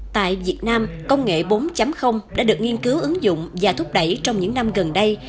tại việt nam công nghệ bốn đã được nghiên cứu ứng dụng và thúc đẩy trong những năm gần đây